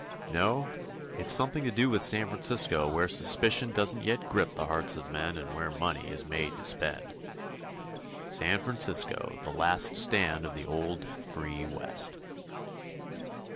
No, it's something to do with San Francisco where suspicion doesn't yet grip the hearts of men and where money is made to spend. San Francisco, the last stand of the old, free West.